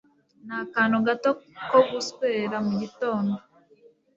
Ni akantu gato ko guswera mugitondo.